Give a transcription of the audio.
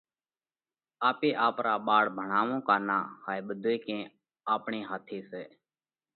آپي آپرا ٻاۯ ڀڻاوونه ڪا نان، هائي ٻڌوئي ڪئين آپڻي هاٿي سئہ۔